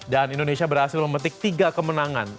dan indonesia berhasil memetik tiga kemenangan